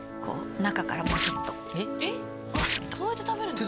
焼いたり・そうやって食べるんですか？